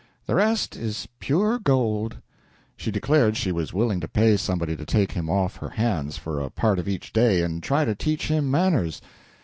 The rest is pure gold." She declared she was willing to pay somebody to take him off her hands for a part of each day and try to teach him "manners."